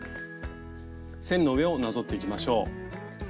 線の上をなぞっていきましょう。